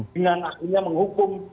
dengan akhirnya menghukum